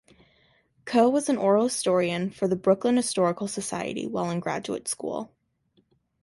Coe was an oral historian for the Brooklyn Historical Society while in graduate school.